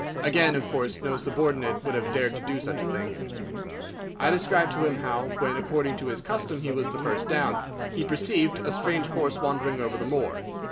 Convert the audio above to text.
Again, of course no subordinate would have dared to do such a thing. I described to him how, when according to his custom he was the first down, he perceived a strange horse wandering over the moor.